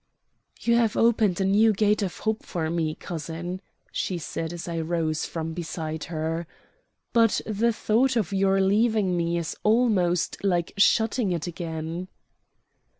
"You have opened a new gate of hope for me, cousin," she said as I rose from beside her. "But the thought of your leaving me is almost like shutting it again."